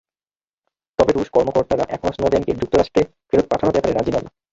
তবে রুশ কর্মকর্তারা এখনো স্নোডেনকে যুক্তরাষ্ট্রে ফেরত পাঠানোর ব্যাপারে রাজি নন।